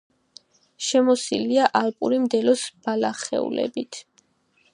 შემოსილია ალპური მდელოს ბალახეულობით.